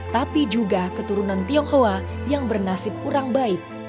tapi juga keturunan tionghoa yang bernasib kurang baik